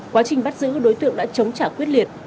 quá trình bắt giữ đối tượng đã chống trả quyết liệt